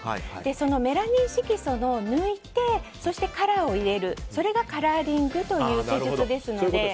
そのメラニン色素を抜いてカラーを入れるのがカラーリングという施術なので。